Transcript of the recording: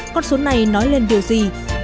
con số này nói lên điều gì